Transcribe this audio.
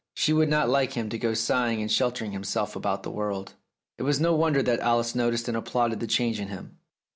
She would not like him to go sighing and sheltering himself about the world. It was no wonder that Alice noticed and applauded the change in him.